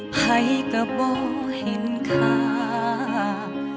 ใครก็บอกเห็นข้า